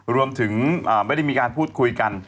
รวมถึงไม่ได้มีการพูดคุยกัน